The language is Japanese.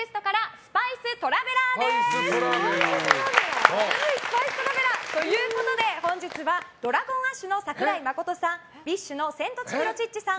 「スパイストラベラー」ということで本日はＤｒａｇｏｎＡｓｈの桜井誠さんＢｉＳＨのセントチヒロ・チッチさん